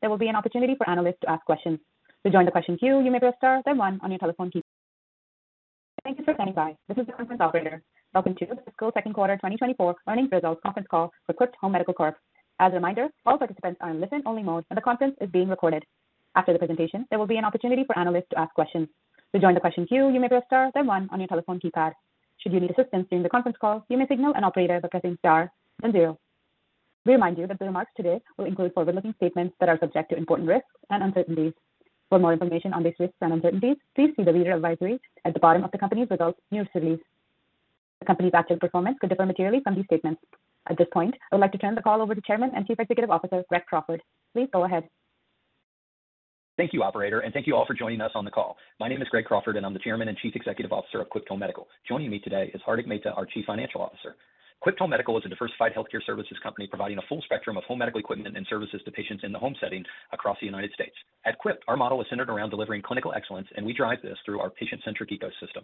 There will be an opportunity for analysts to ask questions. To join the question queue, you may press star, then one on your telephone keypad. Thank you for standing by. This is the conference operator. Welcome to the Fiscal Second Quarter 2024 Earnings Results Conference Call for Quipt Home Medical Corp. As a reminder, all participants are in listen-only mode, and the conference is being recorded. After the presentation, there will be an opportunity for analysts to ask questions. To join the question queue, you may press star, then one on your telephone keypad. Should you need assistance during the conference call, you may signal an operator by pressing star then zero. We remind you that the remarks today will include forward-looking statements that are subject to important risks and uncertainties. For more information on these risks and uncertainties, please see the reader advisory at the bottom of the company's results news release. The company's actual performance could differ materially from these statements. At this point, I would like to turn the call over to Chairman and Chief Executive Officer, Greg Crawford. Please go ahead. Thank you, operator, and thank you all for joining us on the call. My name is Greg Crawford, and I'm the Chairman and Chief Executive Officer of Quipt Home Medical. Joining me today is Hardik Mehta, our Chief Financial Officer. Quipt Home Medical is a diversified healthcare services company providing a full spectrum of home medical equipment and services to patients in the home setting across the United States. At Quipt, our model is centered around delivering clinical excellence, and we drive this through our patient-centric ecosystem,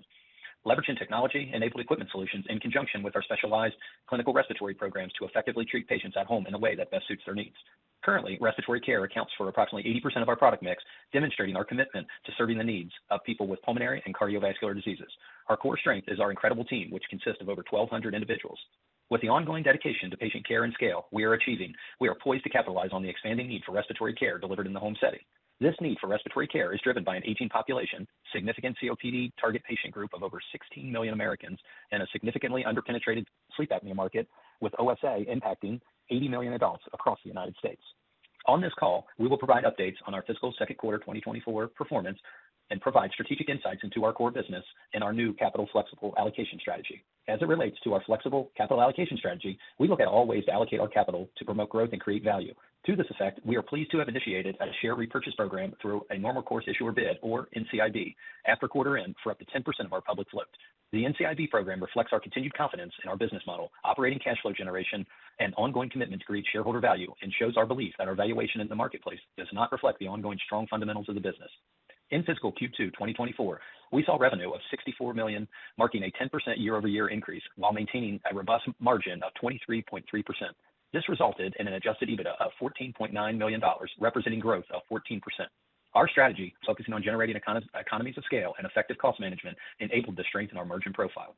leveraging technology-enabled equipment solutions in conjunction with our specialized clinical respiratory programs to effectively treat patients at home in a way that best suits their needs. Currently, respiratory care accounts for approximately 80% of our product mix, demonstrating our commitment to serving the needs of people with pulmonary and cardiovascular diseases. Our core strength is our incredible team, which consists of over 1,200 individuals. With the ongoing dedication to patient care and scale we are achieving, we are poised to capitalize on the expanding need for respiratory care delivered in the home setting. This need for respiratory care is driven by an aging population, significant COPD target patient group of over 16 million Americans, and a significantly underpenetrated sleep apnea market, with OSA impacting 80 million adults across the United States. On this call, we will provide updates on our fiscal second quarter 2024 performance and provide strategic insights into our core business and our new capital flexible allocation strategy. As it relates to our flexible capital allocation strategy, we look at all ways to allocate our capital to promote growth and create value. To this effect, we are pleased to have initiated a share repurchase program through a normal course issuer bid, or NCIB, after quarter end for up to 10% of our public float. The NCIB program reflects our continued confidence in our business model, operating cash flow generation, and ongoing commitment to create shareholder value, and shows our belief that our valuation in the marketplace does not reflect the ongoing strong fundamentals of the business. In fiscal Q2 2024, we saw revenue of $64 million, marking a 10% year-over-year increase, while maintaining a robust margin of 23.3%. This resulted in an adjusted EBITDA of $14.9 million, representing growth of 14%. Our strategy, focusing on generating economies of scale and effective cost management, enabled to strengthen our margin profile.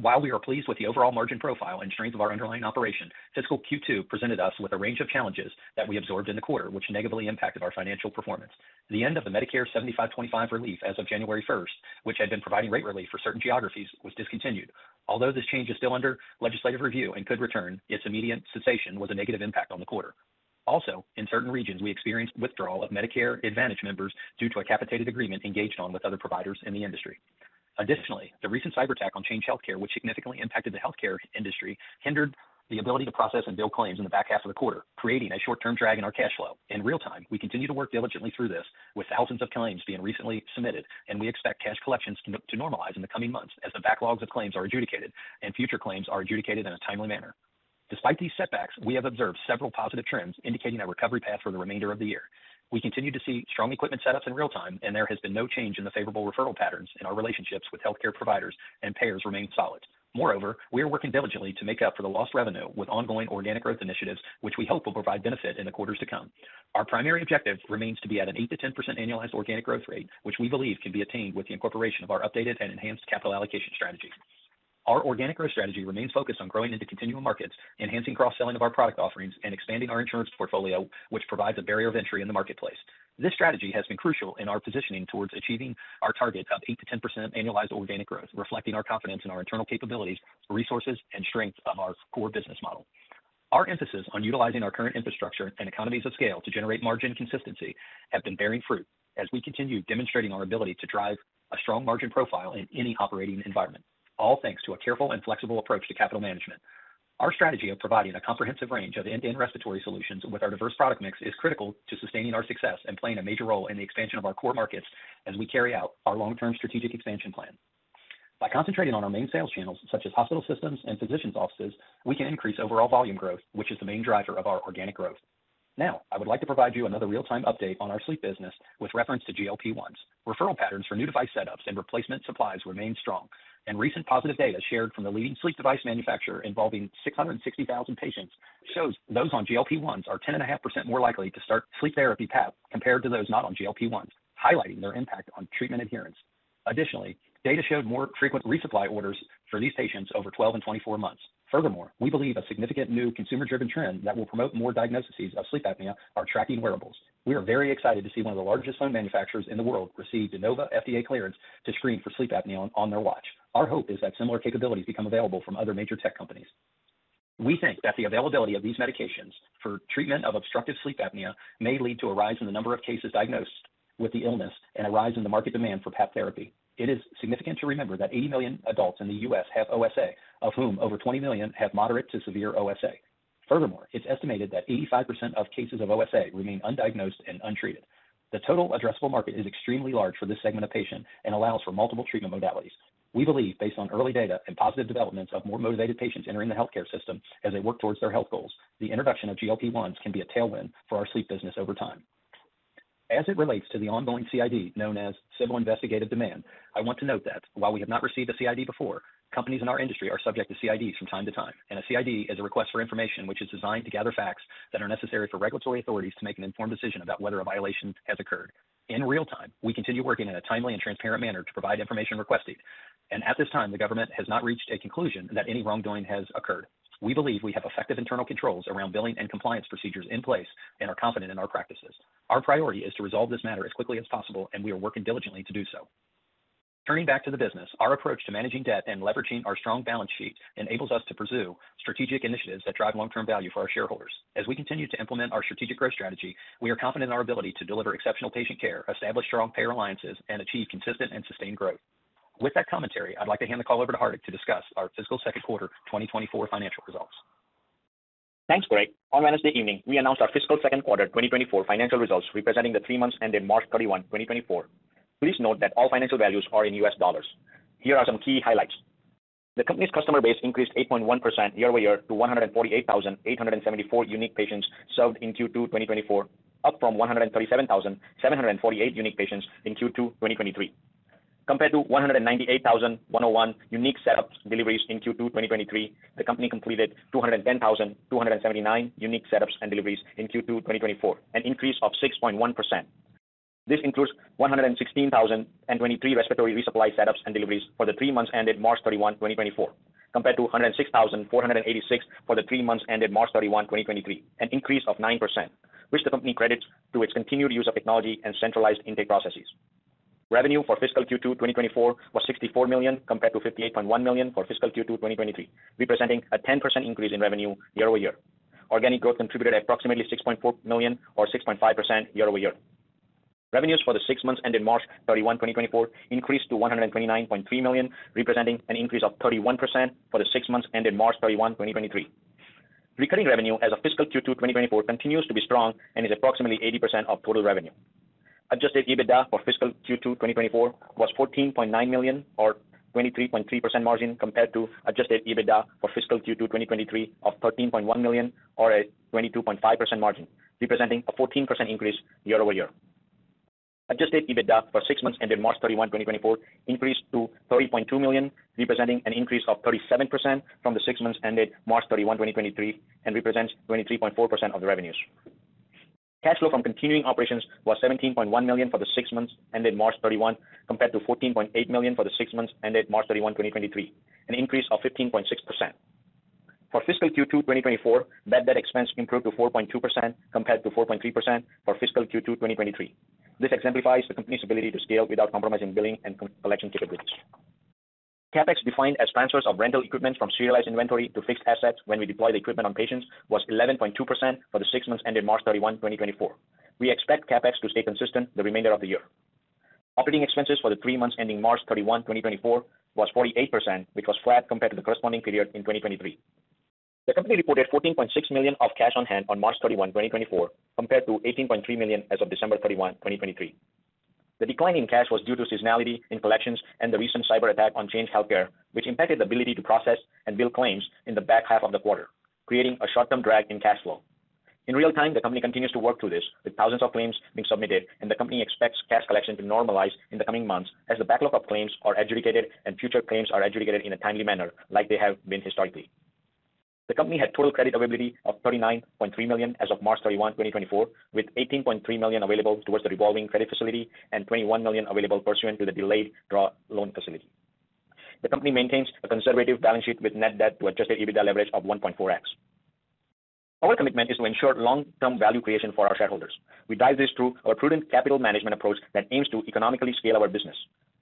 While we are pleased with the overall margin profile and strength of our underlying operation, fiscal Q2 presented us with a range of challenges that we absorbed in the quarter, which negatively impacted our financial performance. The end of the Medicare 75/25 relief as of January first, which had been providing rate relief for certain geographies, was discontinued. Although this change is still under legislative review and could return, its immediate cessation was a negative impact on the quarter. Also, in certain regions, we experienced withdrawal of Medicare Advantage members due to a capitated agreement engaged on with other providers in the industry. Additionally, the recent cyberattack on Change Healthcare, which significantly impacted the healthcare industry, hindered the ability to process and bill claims in the back half of the quarter, creating a short-term drag in our cash flow. In real time, we continue to work diligently through this, with thousands of claims being recently submitted, and we expect cash collections to normalize in the coming months as the backlogs of claims are adjudicated and future claims are adjudicated in a timely manner. Despite these setbacks, we have observed several positive trends indicating a recovery path for the remainder of the year. We continue to see strong equipment setups in real time, and there has been no change in the favorable referral patterns, and our relationships with healthcare providers and payers remain solid. Moreover, we are working diligently to make up for the lost revenue with ongoing organic growth initiatives, which we hope will provide benefit in the quarters to come. Our primary objective remains to be at an 8%-10% annualized organic growth rate, which we believe can be attained with the incorporation of our updated and enhanced capital allocation strategy. Our organic growth strategy remains focused on growing into continual markets, enhancing cross-selling of our product offerings, and expanding our insurance portfolio, which provides a barrier of entry in the marketplace. This strategy has been crucial in our positioning towards achieving our target of 8%-10% annualized organic growth, reflecting our confidence in our internal capabilities, resources, and strengths of our core business model. Our emphasis on utilizing our current infrastructure and economies of scale to generate margin consistency have been bearing fruit as we continue demonstrating our ability to drive a strong margin profile in any operating environment, all thanks to a careful and flexible approach to capital management. Our strategy of providing a comprehensive range of end-to-end respiratory solutions with our diverse product mix is critical to sustaining our success and playing a major role in the expansion of our core markets as we carry out our long-term strategic expansion plan. By concentrating on our main sales channels, such as hospital systems and physicians' offices, we can increase overall volume growth, which is the main driver of our organic growth. Now, I would like to provide you another real-time update on our sleep business with reference to GLP-1s. Referral patterns for new device setups and replacement supplies remain strong, and recent positive data shared from the leading sleep device manufacturer involving 660,000 patients shows those on GLP-1s are 10.5% more likely to start sleep therapy PAP compared to those not on GLP-1s, highlighting their impact on treatment adherence. Additionally, data showed more frequent resupply orders for these patients over 12 and 24 months. Furthermore, we believe a significant new consumer-driven trend that will promote more diagnoses of sleep apnea are tracking wearables. We are very excited to see one of the largest phone manufacturers in the world receive de novo FDA clearance to screen for sleep apnea on their watch. Our hope is that similar capabilities become available from other major tech companies. We think that the availability of these medications for treatment of obstructive sleep apnea may lead to a rise in the number of cases diagnosed with the illness and a rise in the market demand for PAP therapy. It is significant to remember that 80 million adults in the U.S. have OSA, of whom over 20 million have moderate to severe OSA. Furthermore, it's estimated that 85% of cases of OSA remain undiagnosed and untreated. The total addressable market is extremely large for this segment of patient and allows for multiple treatment modalities. We believe, based on early data and positive developments of more motivated patients entering the healthcare system as they work towards their health goals, the introduction of GLP-1s can be a tailwind for our sleep business over time. As it relates to the ongoing CID, known as Civil Investigative Demand, I want to note that while we have not received a CID before, companies in our industry are subject to CIDs from time to time. And a CID is a request for information, which is designed to gather facts that are necessary for regulatory authorities to make an informed decision about whether a violation has occurred. In real time, we continue working in a timely and transparent manner to provide information requested, and at this time, the government has not reached a conclusion that any wrongdoing has occurred. We believe we have effective internal controls around billing and compliance procedures in place and are confident in our practices. Our priority is to resolve this matter as quickly as possible, and we are working diligently to do so. Turning back to the business, our approach to managing debt and leveraging our strong balance sheet enables us to pursue strategic initiatives that drive long-term value for our shareholders. As we continue to implement our strategic growth strategy, we are confident in our ability to deliver exceptional patient care, establish strong payer alliances, and achieve consistent and sustained growth. With that commentary, I'd like to hand the call over to Hardik to discuss our fiscal second quarter 2024 financial results. Thanks, Greg. On Wednesday evening, we announced our fiscal second quarter 2024 financial results, representing the three months ended March 31, 2024. Please note that all financial values are in U.S. dollars. Here are some key highlights. The company's customer base increased 8.1% year-over-year to 148,874 unique patients served in Q2 2024, up from 137,748 unique patients in Q2 2023. Compared to 198,101 unique setups deliveries in Q2 2023, the company completed 210,279 unique setups and deliveries in Q2 2024, an increase of 6.1%. This includes 116,023 respiratory resupply setups and deliveries for the three months ended March 31, 2024, compared to 106,486 for the three months ended March 31, 2023, an increase of 9%, which the company credits to its continued use of technology and centralized intake processes. Revenue for fiscal Q2 2024 was $64 million, compared to $58.1 million for fiscal Q2 2023, representing a 10% increase in revenue year-over-year. Organic growth contributed approximately $6.4 million or 6.5% year-over-year. Revenues for the six months ended March 31, 2024, increased to $129.3 million, representing an increase of 31% for the six months ended March 31, 2023. Recurring revenue as of fiscal Q2 2024 continues to be strong and is approximately 80% of total revenue. Adjusted EBITDA for fiscal Q2 2024 was $14.9 million, or 23.3% margin, compared to Adjusted EBITDA for fiscal Q2 2023 of $13.1 million or a 22.5% margin, representing a 14% increase year-over-year. Adjusted EBITDA for six months ended March 31, 2024, increased to $30.2 million, representing an increase of 37% from the six months ended March 31, 2023, and represents 23.4% of the revenues. Cash flow from continuing operations was $17.1 million for the six months ended March 31, compared to $14.8 million for the six months ended March 31, 2023, an increase of 15.6%. For fiscal Q2 2024, net debt expense improved to 4.2%, compared to 4.3% for fiscal Q2 2023. This exemplifies the company's ability to scale without compromising billing and collection capabilities. CapEx, defined as transfers of rental equipment from serialized inventory to fixed assets when we deploy the equipment on patients, was 11.2% for the six months ended March 31, 2024. We expect CapEx to stay consistent the remainder of the year. Operating expenses for the three months ending March 31, 2024, was 48%, which was flat compared to the corresponding period in 2023. The company reported $14.6 million of cash on hand on March 31, 2024, compared to $18.3 million as of December 31, 2023. The decline in cash was due to seasonality in collections and the recent cyberattack on Change Healthcare, which impacted the ability to process and bill claims in the back half of the quarter, creating a short-term drag in cash flow. In real time, the company continues to work through this, with thousands of claims being submitted, and the company expects cash collection to normalize in the coming months as the backlog of claims are adjudicated and future claims are adjudicated in a timely manner, like they have been historically. The company had total credit availability of $39.3 million as of March 31, 2024, with $18.3 million available towards the revolving credit facility and $21 million available pursuant to the delayed draw loan facility. The company maintains a conservative balance sheet with net debt to Adjusted EBITDA leverage of 1.4x. Our commitment is to ensure long-term value creation for our shareholders. We drive this through our prudent capital management approach that aims to economically scale our business.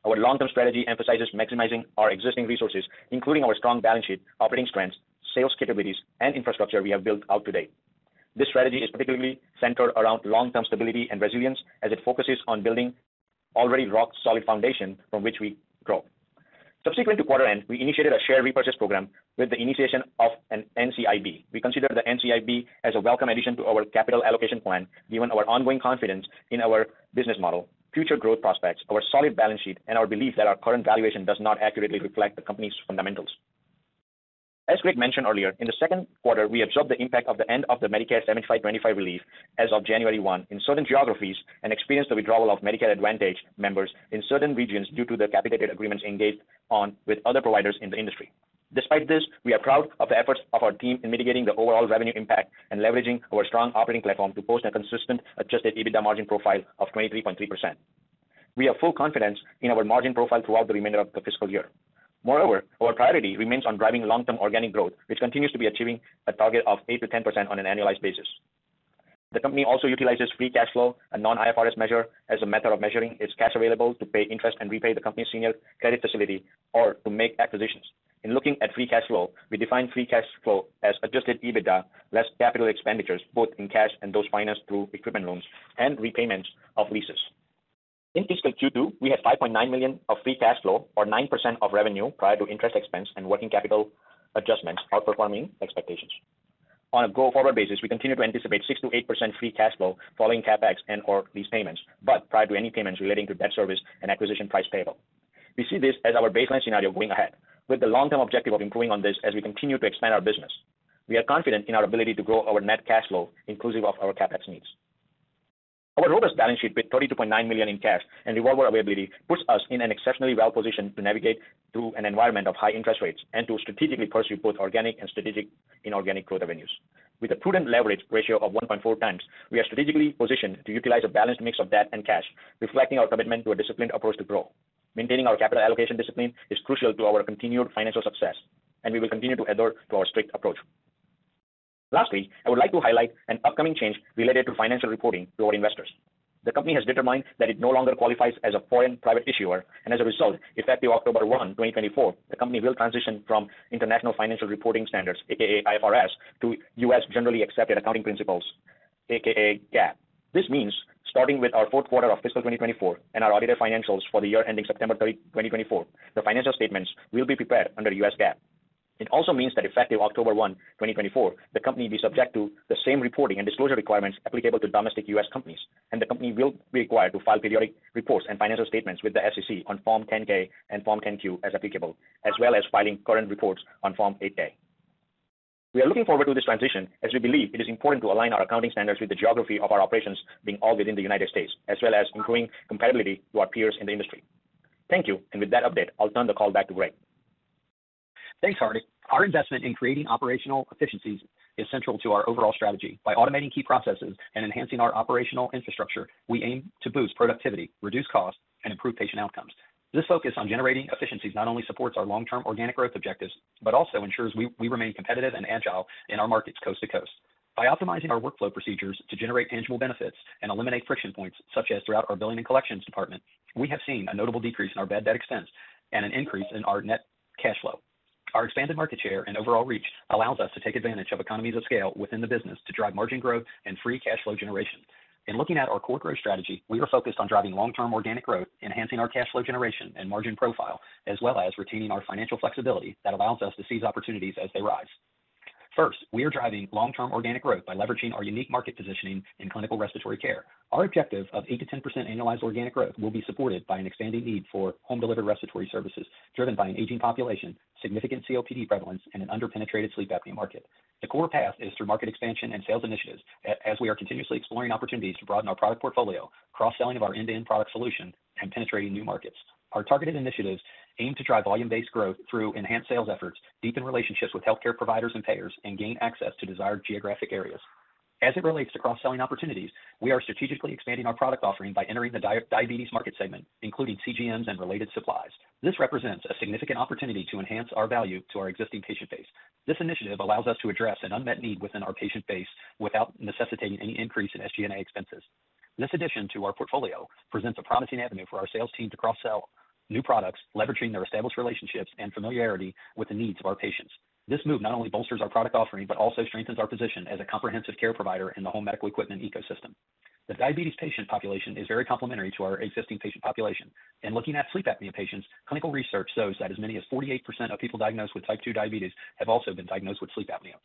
Our long-term strategy emphasizes maximizing our existing resources, including our strong balance sheet, operating strengths, sales capabilities, and infrastructure we have built out to date. This strategy is particularly centered around long-term stability and resilience as it focuses on building already rock-solid foundation from which we grow. Subsequent to quarter end, we initiated a share repurchase program with the initiation of an NCIB. We consider the NCIB as a welcome addition to our capital allocation plan, given our ongoing confidence in our business model, future growth prospects, our solid balance sheet, and our belief that our current valuation does not accurately reflect the company's fundamentals. As Greg mentioned earlier, in the second quarter, we absorbed the impact of the end of the Medicare 75/25 relief as of January 1 in certain geographies and experienced the withdrawal of Medicare Advantage members in certain regions due to the capitated agreements engaged on with other providers in the industry. Despite this, we are proud of the efforts of our team in mitigating the overall revenue impact and leveraging our strong operating platform to post a consistent adjusted EBITDA margin profile of 23.3%. We have full confidence in our margin profile throughout the remainder of the fiscal year. Moreover, our priority remains on driving long-term organic growth, which continues to be achieving a target of 8%-10% on an annualized basis. The company also utilizes free cash flow, a non-IFRS measure, as a method of measuring its cash available to pay interest and repay the company's senior credit facility or to make acquisitions. In looking at free cash flow, we define free cash flow as Adjusted EBITDA less capital expenditures, both in cash and those financed through equipment loans and repayments of leases. In fiscal Q2, we had $5.9 million of free cash flow, or 9% of revenue, prior to interest expense and working capital adjustments, outperforming expectations. On a go-forward basis, we continue to anticipate 6%-8% free cash flow following CapEx and or lease payments, but prior to any payments relating to debt service and acquisition price payable. We see this as our baseline scenario going ahead, with the long-term objective of improving on this as we continue to expand our business. We are confident in our ability to grow our net cash flow, inclusive of our CapEx needs. Our robust balance sheet with $32.9 million in cash and revolver availability puts us in an exceptionally well position to navigate through an environment of high interest rates and to strategically pursue both organic and strategic inorganic growth avenues. With a prudent leverage ratio of 1.4 times, we are strategically positioned to utilize a balanced mix of debt and cash, reflecting our commitment to a disciplined approach to grow. Maintaining our capital allocation discipline is crucial to our continued financial success, and we will continue to adhere to our strict approach. Lastly, I would like to highlight an upcoming change related to financial reporting to our investors. The company has determined that it no longer qualifies as a foreign private issuer, and as a result, effective October 1, 2024, the company will transition from International Financial Reporting Standards, AKA IFRS, to U..S Generally Accepted Accounting Principles, AKA GAAP. This means starting with our fourth quarter of fiscal 2024 and our audited financials for the year ending September 30, 2024, the financial statements will be prepared under U.S. GAAP. It also means that effective October 1, 2024, the company will be subject to the same reporting and disclosure requirements applicable to domestic U.S. companies, and the company will be required to file periodic reports and financial statements with the SEC on Form 10-K and Form 10-Q as applicable, as well as filing current reports on Form 8-K. We are looking forward to this transition as we believe it is important to align our accounting standards with the geography of our operations being all within the United States, as well as improving compatibility to our peers in the industry. Thank you, and with that update, I'll turn the call back to Greg. Thanks, Hardik. Our investment in creating operational efficiencies is central to our overall strategy. By automating key processes and enhancing our operational infrastructure, we aim to boost productivity, reduce costs, and improve patient outcomes. This focus on generating efficiencies not only supports our long-term organic growth objectives, but also ensures we remain competitive and agile in our markets coast to coast. By optimizing our workflow procedures to generate tangible benefits and eliminate friction points, such as throughout our billing and collections department, we have seen a notable decrease in our bad debt expense and an increase in our net cash flow. Our expanded market share and overall reach allows us to take advantage of economies of scale within the business to drive margin growth and free cash flow generation. In looking at our core growth strategy, we are focused on driving long-term organic growth, enhancing our cash flow generation and margin profile, as well as retaining our financial flexibility that allows us to seize opportunities as they rise. First, we are driving long-term organic growth by leveraging our unique market positioning in clinical respiratory care. Our objective of 8%-10% annualized organic growth will be supported by an expanding need for home delivery respiratory services driven by an aging population, significant COPD prevalence, and an under-penetrated sleep apnea market. The core path is through market expansion and sales initiatives, as we are continuously exploring opportunities to broaden our product portfolio, cross-selling of our end-to-end product solution, and penetrating new markets. Our targeted initiatives aim to drive volume-based growth through enhanced sales efforts, deepen relationships with healthcare providers and payers, and gain access to desired geographic areas. As it relates to cross-selling opportunities, we are strategically expanding our product offering by entering the diabetes market segment, including CGMs and related supplies. This represents a significant opportunity to enhance our value to our existing patient base. This initiative allows us to address an unmet need within our patient base without necessitating any increase in SG&A expenses. This addition to our portfolio presents a promising avenue for our sales team to cross-sell new products, leveraging their established relationships and familiarity with the needs of our patients. This move not only bolsters our product offering, but also strengthens our position as a comprehensive care provider in the home medical equipment ecosystem. The diabetes patient population is very complementary to our existing patient population, and looking at sleep apnea patients, clinical research shows that as many as 48% of people diagnosed with type two diabetes have also been diagnosed with sleep apnea.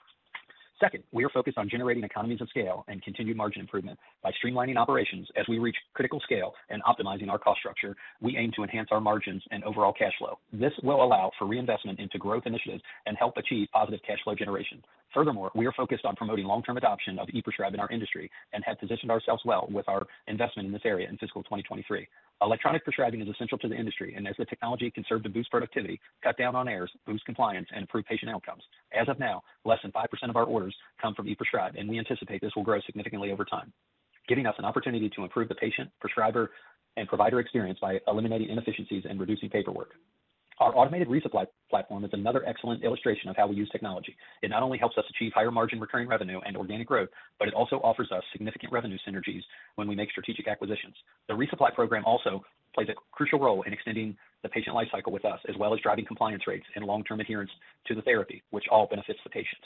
Second, we are focused on generating economies of scale and continued margin improvement. By streamlining operations as we reach critical scale and optimizing our cost structure, we aim to enhance our margins and overall cash flow. This will allow for reinvestment into growth initiatives and help achieve positive cash flow generation. Furthermore, we are focused on promoting long-term adoption of e-prescribe in our industry and have positioned ourselves well with our investment in this area in fiscal 2023. Electronic prescribing is essential to the industry, and as the technology can serve to boost productivity, cut down on errors, boost compliance, and improve patient outcomes. As of now, less than 5% of our orders come from e-prescribe, and we anticipate this will grow significantly over time, giving us an opportunity to improve the patient, prescriber, and provider experience by eliminating inefficiencies and reducing paperwork. Our automated resupply platform is another excellent illustration of how we use technology. It not only helps us achieve higher margin recurring revenue and organic growth, but it also offers us significant revenue synergies when we make strategic acquisitions. The resupply program also plays a crucial role in extending the patient life cycle with us, as well as driving compliance rates and long-term adherence to the therapy, which all benefits the patient.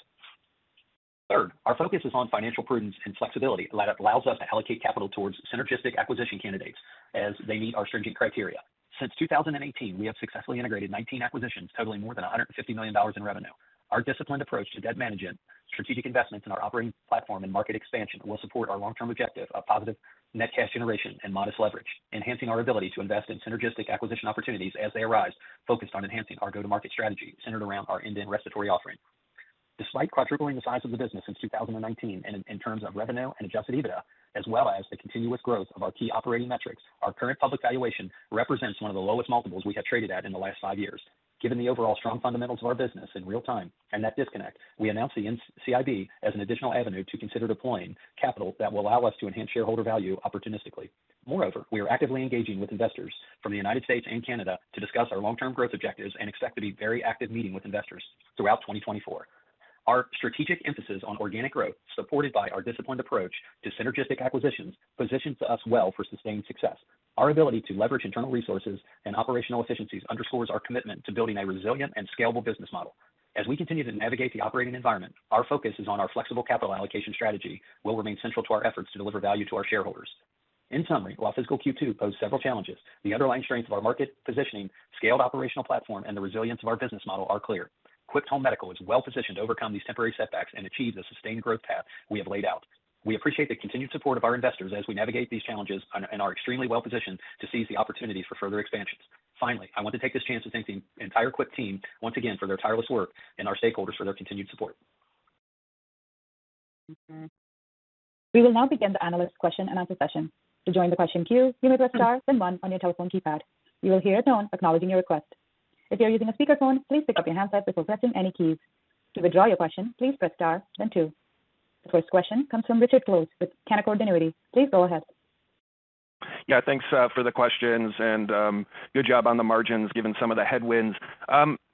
Third, our focus is on financial prudence and flexibility that allows us to allocate capital towards synergistic acquisition candidates as they meet our stringent criteria. Since 2018, we have successfully integrated 19 acquisitions, totaling more than $150 million in revenue. Our disciplined approach to debt management, strategic investments in our operating platform and market expansion, will support our long-term objective of positive net cash generation and modest leverage, enhancing our ability to invest in synergistic acquisition opportunities as they arise, focused on enhancing our go-to-market strategy centered around our end-to-end respiratory offering. Despite quadrupling the size of the business since 2019 in terms of revenue and Adjusted EBITDA, as well as the continuous growth of our key operating metrics, our current public valuation represents one of the lowest multiples we have traded at in the last five years. Given the overall strong fundamentals of our business in real time and that disconnect, we announced the NCIB as an additional avenue to consider deploying capital that will allow us to enhance shareholder value opportunistically. Moreover, we are actively engaging with investors from the United States and Canada to discuss our long-term growth objectives and expect to be very active, meeting with investors throughout 2024. Our strategic emphasis on organic growth, supported by our disciplined approach to synergistic acquisitions, positions us well for sustained success. Our ability to leverage internal resources and operational efficiencies underscores our commitment to building a resilient and scalable business model. As we continue to navigate the operating environment, our focus is on our flexible capital allocation strategy will remain central to our efforts to deliver value to our shareholders. In summary, while fiscal Q2 posed several challenges, the underlying strengths of our market positioning, scaled operational platform, and the resilience of our business model are clear. Quipt Home Medical is well positioned to overcome these temporary setbacks and achieve the sustained growth path we have laid out. We appreciate the continued support of our investors as we navigate these challenges and are extremely well positioned to seize the opportunity for further expansions. Finally, I want to take this chance to thank the entire Quipt team once again for their tireless work and our stakeholders for their continued support. We will now begin the analyst question-and-answer session. To join the question queue, you may press star then one on your telephone keypad. You will hear a tone acknowledging your request. If you're using a speakerphone, please pick up your handset before pressing any keys. To withdraw your question, please press star then two. The first question comes from Richard Close with Canaccord Genuity. Please go ahead. Yeah, thanks, for the questions, and, good job on the margins, given some of the headwinds.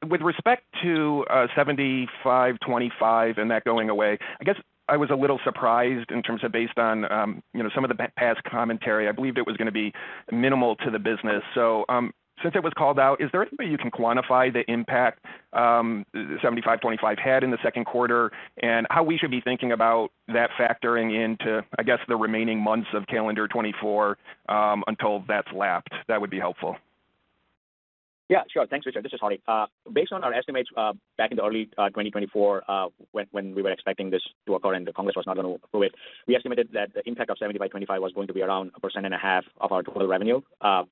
With respect to, 75/25 and that going away, I guess I was a little surprised in terms of based on, you know, some of the past commentary. I believed it was gonna be minimal to the business. So, since it was called out, is there anything you can quantify the impact, 75/25 had in the second quarter, and how we should be thinking about that factoring into, I guess, the remaining months of calendar 2024, until that's lapped? That would be helpful. Yeah, sure. Thanks, Richard. This is Hardik. Based on our estimates, back in the early 2024, when we were expecting this to occur and the Congress was not gonna approve it, we estimated that the impact of 75/25 was going to be around 1.5% of our total revenue. So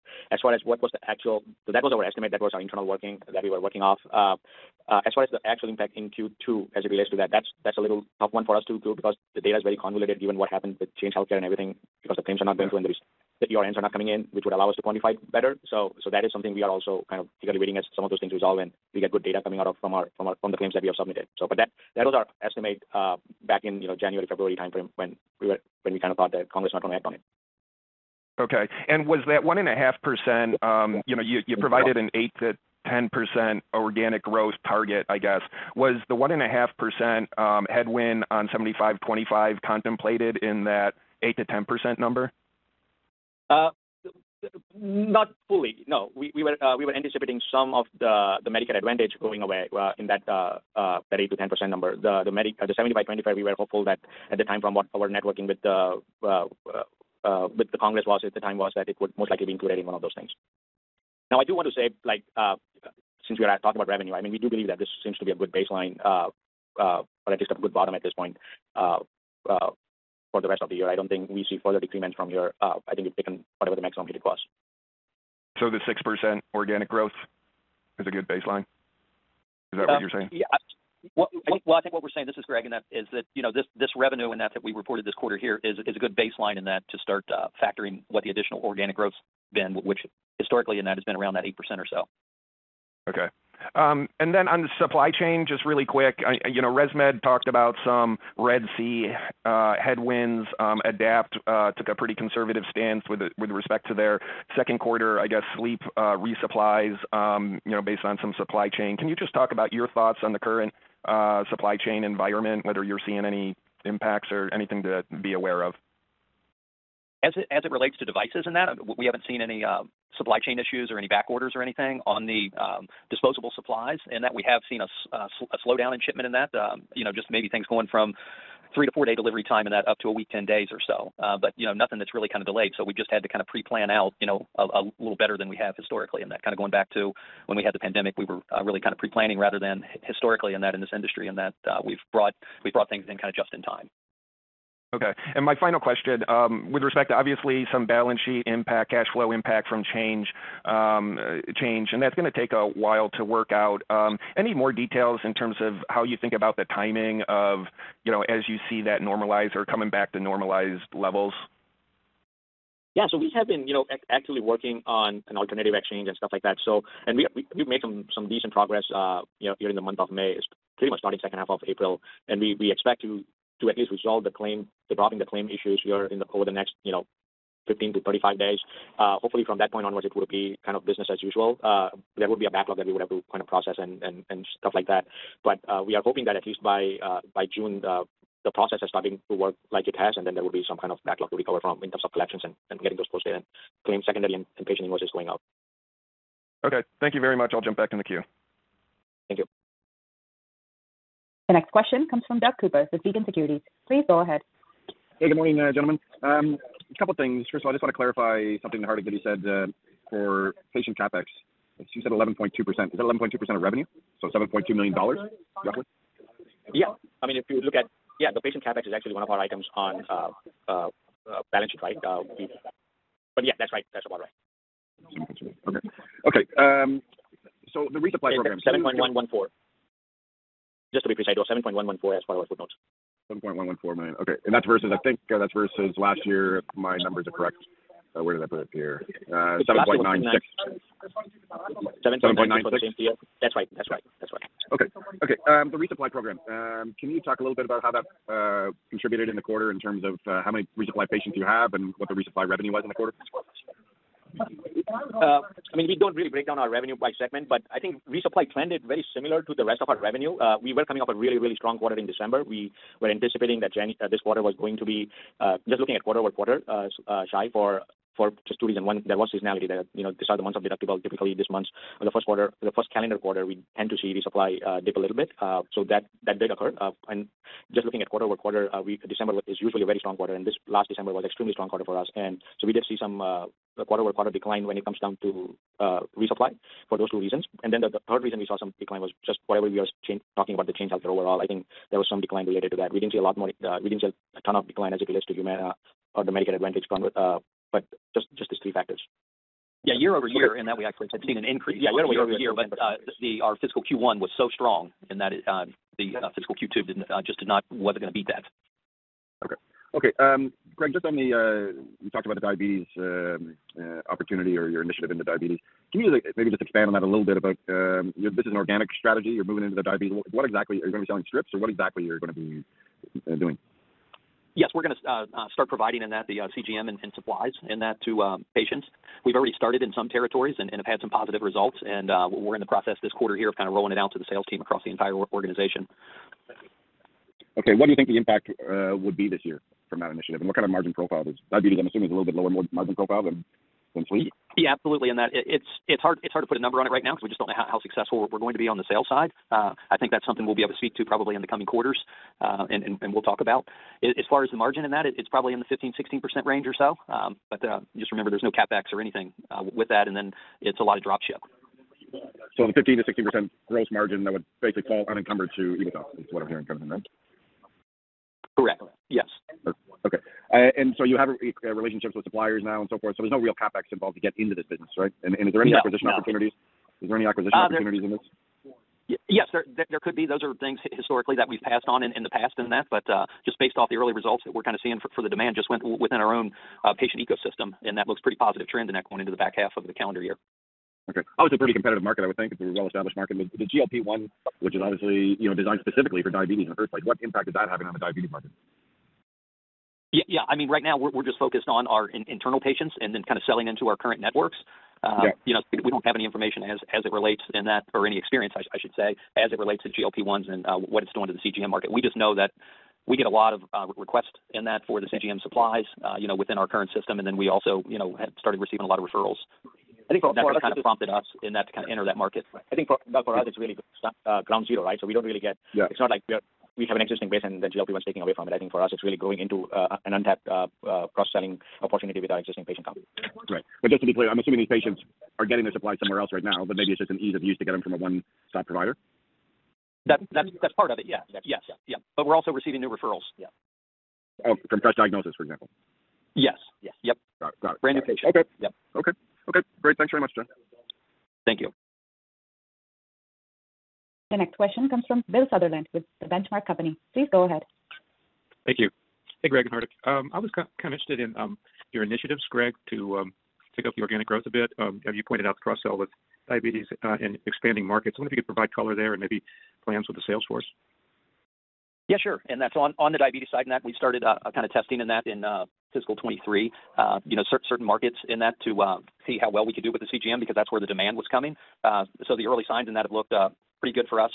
that was our estimate. That was our internal working, that we were working off. As far as the actual impact in Q2, as it relates to that, that's a little tough one for us to do because the data is very convoluted given what happened with Change Healthcare and everything, because the claims are not going through and the EMRs are not coming in, which would allow us to quantify better. So that is something we are also kind of eagerly waiting as some of those things resolve and we get good data coming out of from our claims that we have submitted. So but that was our estimate back in, you know, January, February timeframe when we kind of thought that Congress not gonna act on it. Okay. And was that 1.5%, you know, you provided an 8%-10% organic growth target, I guess. Was the 1.5%, headwind on 75/25 contemplated in that 8%-10% number? Not fully, no. We were anticipating some of the Medicare Advantage going away, in that, the 8%-10% number. The Medicare, the 75/25, we were hopeful that at the time, from what our networking with the, with the Congress was at the time, was that it would most likely be included in one of those things. Now, I do want to say, like, since we are talking about revenue, I mean, we do believe that this seems to be a good baseline, or at least a good bottom at this point, for the rest of the year. I don't think we see further decrement from here. I think we've taken whatever the maximum hit it was. The 6% organic growth is a good baseline? Is that what you're saying? Yeah, well, I think what we're saying, this is Greg, and that is that, you know, this, this revenue and that, that we reported this quarter here is a good baseline in that to start factoring what the additional organic growth's been, which historically, and that has been around that 8% or so. Okay. And then on the supply chain, just really quick, I, you know, ResMed talked about some Red Sea headwinds. Adapt took a pretty conservative stance with respect to their second quarter, I guess, sleep resupplies, you know, based on some supply chain. Can you just talk about your thoughts on the current supply chain environment, whether you're seeing any impacts or anything to be aware of? As it relates to devices and that, we haven't seen any supply chain issues or any back orders or anything on the disposable supplies, and we have seen a slowdown in shipment in that. You know, just maybe things going from 3- to 4-day delivery time and that up to a week, 10 days or so. But, you know, nothing that's really kind of delayed. So we've just had to kind of pre-plan out, you know, a little better than we have historically, and that kind of going back to when we had the pandemic, we were really kind of pre-planning rather than historically, and that in this industry and that, we've brought things in kind of just in time. Okay. And my final question, with respect to obviously some balance sheet impact, cash flow impact from Change Healthcare, and that's gonna take a while to work out. Any more details in terms of how you think about the timing of, you know, as you see that normalize or coming back to normalized levels? Yeah, so we have been, you know, actively working on an alternative exchange and stuff like that. So, and we've made some decent progress, you know, during the month of May. It's pretty much starting second half of April, and we expect to at least resolve the claim, the dropping the claim issues here in the over the next, you know, 15-35 days. Hopefully, from that point onwards, it will be kind of business as usual. There will be a backlog that we would have to kind of process and, and stuff like that. We are hoping that at least by June, the process is starting to work like it has, and then there will be some kind of backlog to recover from in terms of collections and getting those posted and claims secondarily and patient invoices going out. Okay, thank you very much. I'll jump back in the queue. Thank you. The next question comes from Doug Cooper with B. Riley Securities. Please go ahead. Hey, good morning, gentlemen. A couple things. First of all, I just want to clarify something that Hardik, that he said, for patient CapEx. You said 11.2%. Is that 11.2% of revenue? So $7.2 million, roughly? Yeah. I mean, if you look at. Yeah, the patient CapEx is actually one of our items on balance sheet, right? But yeah, that's right. That's about right. Okay. Okay, so the resupply program- $7.114 million. Just to be precise, though, $7.114 million as part of our footnotes. $7.114 million. Okay, and that's versus, I think, that's versus last year, if my numbers are correct. Where did I put it here? $7.96 million. $7.9 million. 7$.96 million. That's right. That's right. That's right. Okay. Okay, the resupply program, can you talk a little bit about how that contributed in the quarter in terms of, how many resupply patients you have and what the resupply revenue was in the quarter? I mean, we don't really break down our revenue by segment, but I think resupply trended very similar to the rest of our revenue. We were coming off a really, really strong quarter in December. We were anticipating that Jan- this quarter was going to be, just looking at quarter-over-quarter, shy for just two reasons. One, there was seasonality there. You know, these are the months of deductible. Typically, these months are the first quarter, the first calendar quarter, we tend to see resupply dip a little bit. So that did occur, just looking at quarter-over-quarter, December is usually a very strong quarter, and this last December was extremely strong quarter for us. So we did see some quarter-over-quarter decline when it comes down to resupply for those two reasons. Then the third reason we saw some decline was just whatever we're talking about the change out there overall. I think there was some decline related to that. We didn't see a lot more, we didn't see a ton of decline as it relates to Humana or the Medicare Advantage fund, but just these three factors. Yeah, year-over-year, in that we actually have seen an increase. Yeah, year-over-year, but our fiscal Q1 was so strong, and that is, fiscal Q2 didn't just did not, wasn't gonna beat that. Okay. Okay, Greg, just on the, you talked about the diabetes opportunity or your initiative into diabetes. Can you like maybe just expand on that a little bit about, this is an organic strategy. You're moving into the diabetes. What exactly—are you gonna be selling strips, or what exactly you're gonna be doing? Yes, we're gonna start providing in that the CGM and supplies in that to patients. We've already started in some territories and have had some positive results, and we're in the process this quarter here of kind of rolling it out to the sales team across the entire organization. Okay. What do you think the impact would be this year from that initiative? And what kind of margin profile is... Diabetes, I'm assuming, is a little bit lower margin profile than sleep? Yeah, absolutely, and it's hard to put a number on it right now because we just don't know how successful we're going to be on the sell-side. I think that's something we'll be able to speak to probably in the coming quarters. And we'll talk about. As far as the margin in that, it's probably in the 15%-16% range or so. But just remember, there's no CapEx or anything with that, and then it's a lot of drop ship. The 15%-16% gross margin, that would basically fall unencumbered to EBITDA, is what I'm hearing from you, right? Correct. Yes. Okay. And so you have relationships with suppliers now and so forth, so there's no real CapEx involved to get into this business, right? No. Is there any acquisition opportunities? Is there any acquisition opportunities in this? Yes, there, there could be. Those are things historically that we've passed on in the past in that, but just based off the early results that we're kind of seeing for the demand just went within our own patient ecosystem, and that looks pretty positive trend in that going into the back half of the calendar year. Okay. Obviously a pretty competitive market, I would think, it's a well-established market. The GLP-1, which is obviously, you know, designed specifically for diabetes and heart. Like, what impact is that having on the diabetes market? Yeah, yeah. I mean, right now we're just focused on our internal patients and then kind of selling into our current networks. Okay. You know, we don't have any information as it relates to that, or any experience, I should say, as it relates to GLP-1s and what it's doing to the CGM market. We just know that we get a lot of requests for the CGM supplies, you know, within our current system. And then we also, you know, have started receiving a lot of referrals. I think for us- That kind of prompted us in that to kind of enter that market. I think for, for us, it's really, ground zero, right? So we don't really get- Yeah. It's not like we are, we have an existing base and then GLP-1 is taking away from it. I think for us, it's really going into an untapped cross-selling opportunity with our existing patient company. Right. But just to be clear, I'm assuming these patients are getting their supplies somewhere else right now, but maybe it's just an ease of use to get them from a one stop provider? That's part of it. Yeah. Yes. Yeah. But we're also receiving new referrals. Yeah. Oh, from fresh diagnosis, for example? Yes. Yes. Yep. Got it. Brand new patient. Okay. Yep. Okay. Okay, great. Thanks very much, Greg. Thank you. The next question comes from Bill Sutherland with The Benchmark Company. Please go ahead. Thank you. Hey, Greg and Hardik. I was kind of interested in your initiatives, Greg, to pick up the organic growth a bit. Have you pointed out the cross-sell with diabetes in expanding markets? I wonder if you could provide color there and maybe plans with the sales force. Yeah, sure. And that's on the diabetes side, in that we started kind of testing in that in fiscal 2023, you know, certain markets in that to see how well we could do with the CGM because that's where the demand was coming. So the early signs in that have looked pretty good for us.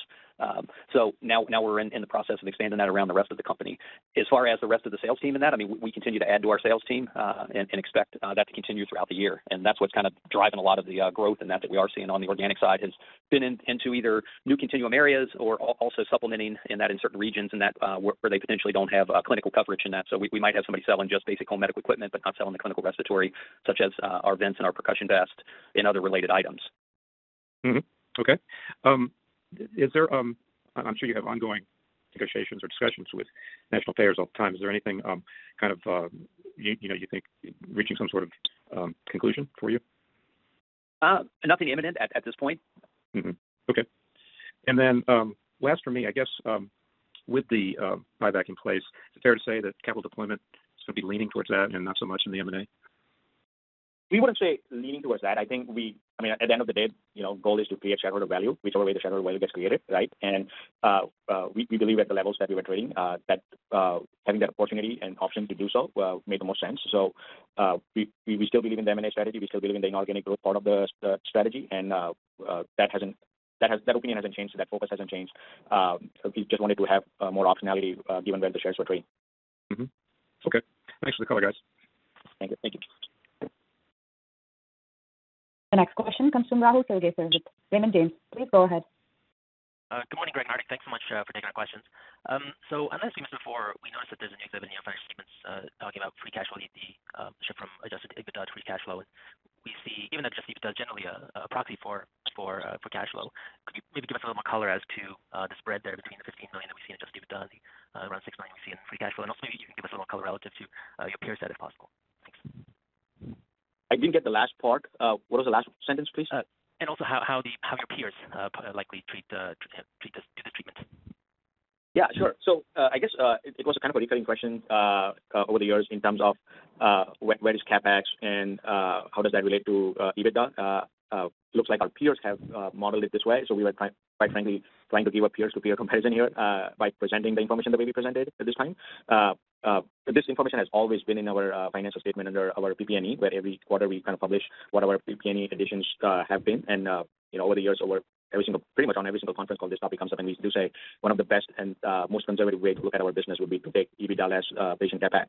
So now we're in the process of expanding that around the rest of the company. As far as the rest of the sales team in that, I mean, we continue to add to our sales team and expect that to continue throughout the year. And that's what's kind of driving a lot of the growth and that we are seeing on the organic side has been into either new continuum areas or also supplementing in that in certain regions in that, where they potentially don't have clinical coverage in that. So we might have somebody selling just basic home medical equipment, but not selling the clinical respiratory, such as our vents and our percussion vest and other related items. Mm-hmm. Okay. I'm sure you have ongoing negotiations or discussions with national payers all the time. Is there anything kind of, you know, you think reaching some sort of conclusion for you? Nothing imminent at this point. Mm-hmm. Okay. And then, last for me, I guess, with the buyback in place, is it fair to say that capital deployment is gonna be leaning towards that and not so much in the M&A? We wouldn't say leaning towards that. I think—I mean, at the end of the day, you know, goal is to create shareholder value, whichever way the shareholder value gets created, right? And we believe at the levels that we were trading that having that opportunity and option to do so made the most sense. So we still believe in the M&A strategy. We still believe in the inorganic growth part of the strategy, and that opinion hasn't changed, so that focus hasn't changed. We just wanted to have more optionality given where the shares were trading. Mm-hmm. Okay. Thanks for the color, guys. Thank you. Thank you. The next question comes from Rahul Sarugaser with Raymond James. Please go ahead. Good morning, Greg and Hardik. Thanks so much for taking our questions. So unless we missed before, we noticed that there's a new exhibit in your financial statements, talking about free cash flow, the shift from Adjusted EBITDA to Free Cash Flow. We see even Adjusted EBITDA is generally a proxy for cash flow. Could you maybe give us a little more color as to the spread there between the $15 million that we see in Adjusted EBITDA, around $6 million we see in Free Cash Flow? And also, maybe you can give us a little color relative to your peer set, if possible. Thanks. I didn't get the last part. What was the last sentence, please? And also how your peers likely treat this, do this treatment? Yeah, sure. So, I guess, it was a kind of a recurring question over the years in terms of where is CapEx and how does that relate to EBITDA? Looks like our peers have modeled it this way. So we were quite frankly trying to give our peers a peer comparison here by presenting the information that we presented at this time. This information has always been in our financial statement under our PP&E, where every quarter we kind of publish what our PP&E additions have been. You know, over the years, over every single, pretty much on every single conference call, this topic comes up, and we do say one of the best and most conservative way to look at our business would be to take EBITDA less patient CapEx.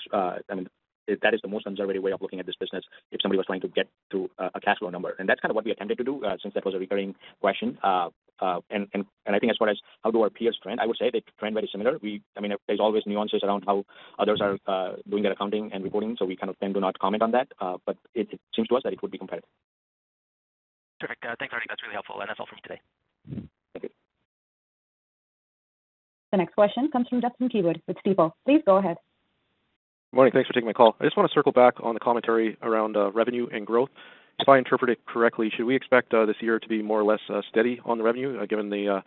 That is the most conservative way of looking at this business if somebody was trying to get to a cash flow number. And that's kind of what we attempted to do, since that was a recurring question. I think as far as how do our peers trend, I would say they trend very similar. I mean, there's always nuances around how others are doing their accounting and reporting, so we kind of tend to not comment on that. But it seems to us that it would be competitive. Perfect. Thanks, Hari. That's really helpful, and that's all for me today. Thank you. The next question comes from Justin Keywood with Stifel. Please go ahead. Morning. Thanks for taking my call. I just wanna circle back on the commentary around revenue and growth. If I interpret it correctly, should we expect this year to be more or less steady on the revenue given the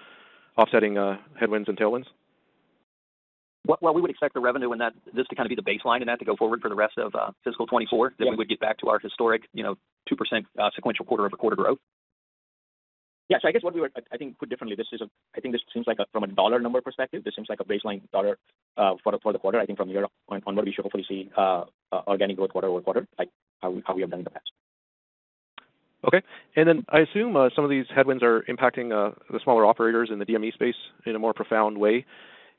offsetting headwinds and tailwinds? Well, well, we would expect the revenue in that... this to kind of be the baseline and that to go forward for the rest of fiscal 2024. Yeah. Then we would get back to our historic, you know, 2% sequential quarter-over-quarter growth. Yeah. So I guess—I think put differently, this is a... I think this seems like a, from a dollar number perspective, this seems like a baseline dollar for the quarter. I think from here on, onward, we should hopefully see organic growth quarter-over-quarter, like how we have done in the past. Okay. And then I assume some of these headwinds are impacting the smaller operators in the DME space in a more profound way.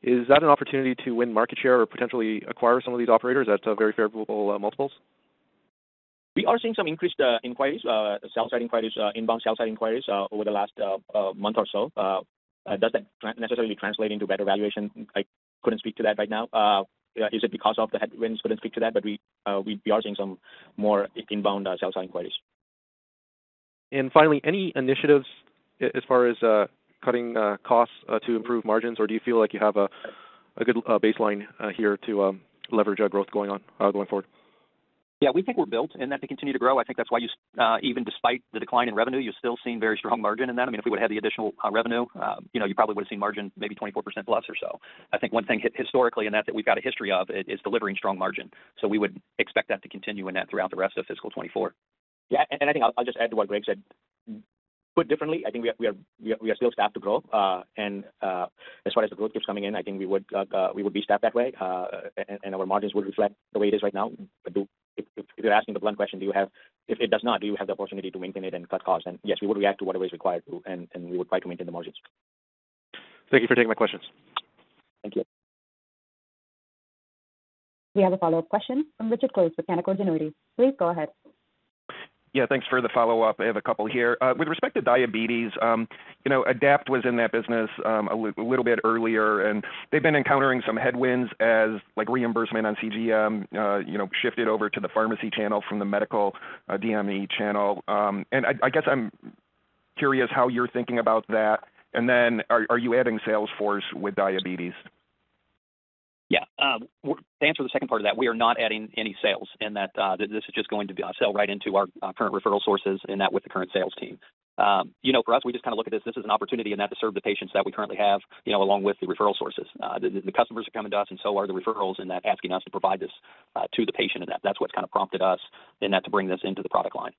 Is that an opportunity to win market share or potentially acquire some of these operators at very favorable multiples? We are seeing some increased inquiries, sales side inquiries, inbound sales side inquiries, over the last month or so. Does that necessarily translate into better valuation? I couldn't speak to that right now. Is it because of the headwinds? Couldn't speak to that, but we are seeing some more inbound sales side inquiries. And finally, any initiatives as far as cutting costs to improve margins? Or do you feel like you have a good baseline here to leverage our growth going on going forward? Yeah, we think we're built, and that to continue to grow. I think that's why you, even despite the decline in revenue, you're still seeing very strong margin in that. I mean, if we would have the additional, revenue, you know, you probably would've seen margin maybe 24% plus or so. I think one thing historically, and that, that we've got a history of, is, is delivering strong margin. So we would expect that to continue in that throughout the rest of fiscal 2024. Yeah, and I think I'll just add to what Greg said. Put differently, I think we are still staffed to grow. And as far as the growth keeps coming in, I think we would be staffed that way, and our margins would reflect the way it is right now. But if you're asking the blunt question, do you have the opportunity to maintain it and cut costs if it does not? And yes, we would react to whatever is required to, and we would try to maintain the margins. Thank you for taking my questions. Thank you. We have a follow-up question from Richard Close with Canaccord Genuity. Please go ahead. Yeah, thanks for the follow-up. I have a couple here. With respect to diabetes, you know, Adapt was in that business, a little bit earlier, and they've been encountering some headwinds as, like, reimbursement on CGM, you know, shifted over to the pharmacy channel from the medical, DME channel. And I guess I'm curious how you're thinking about that, and then are you adding sales force with diabetes? Yeah. To answer the second part of that, we are not adding any sales in that, this is just going to be sell right into our current referral sources, and that with the current sales team. You know, for us, we just kind of look at this, this as an opportunity and not to serve the patients that we currently have, you know, along with the referral sources. The customers are coming to us and so are the referrals, and that asking us to provide this to the patient, and that, that's what's kind of prompted us, and that to bring this into the product line.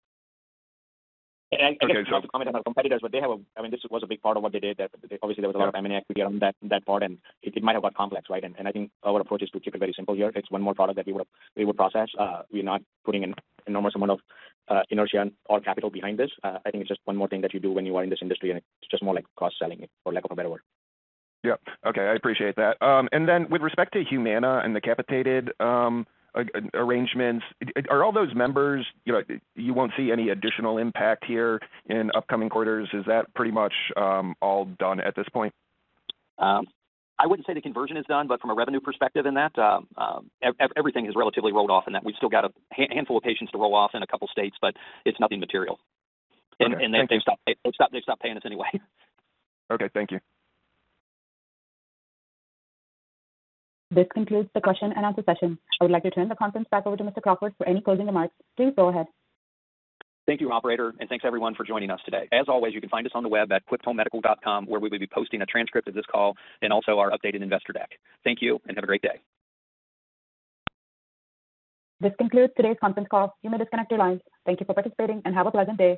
I guess to comment on our competitors, but they have a, I mean, this was a big part of what they did, that obviously there was a lot of M&A activity on that, that part, and it might have got complex, right? I think our approach is to keep it very simple here. It's one more product that we would process. We're not putting an enormous amount of inertia and or capital behind this. I think it's just one more thing that you do when you are in this industry, and it's just more like cross-selling it, for lack of a better word. Yep. Okay, I appreciate that. And then with respect to Humana and the capitated arrangements, are all those members, you know, you won't see any additional impact here in upcoming quarters? Is that pretty much all done at this point? I wouldn't say the conversion is done, but from a revenue perspective in that, everything is relatively rolled off, in that we've still got a handful of patients to roll off in a couple of states, but it's nothing material. Okay. And they've stopped paying us anyway. Okay, thank you. This concludes the question and answer session. I would like to turn the conference back over to Mr. Crawford for any closing remarks. Please go ahead. Thank you, operator, and thanks everyone for joining us today. As always, you can find us on the web at quipt.com, where we will be posting a transcript of this call and also our updated investor deck. Thank you, and have a great day. This concludes today's conference call. You may disconnect your lines. Thank you for participating, and have a pleasant day.